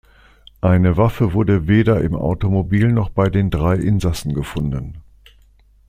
Eine Waffe wurde weder im Automobil noch bei den drei Insassen gefunden.